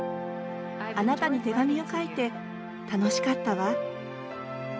あなたに手紙を書いて楽しかったわ。